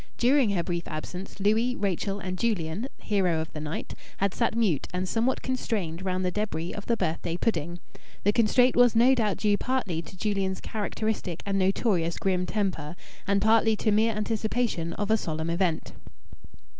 During her brief absence Louis, Rachel, and Julian hero of the night had sat mute and somewhat constrained round the debris of the birthday pudding. The constraint was no doubt due partly to Julian's characteristic and notorious grim temper, and partly to mere anticipation of a solemn event.